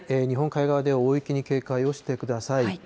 日本海側で大雪に警戒をしてください。